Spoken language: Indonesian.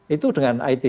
itu dengan it